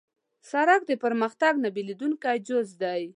سړک د پرمختګ نه بېلېدونکی جز دی.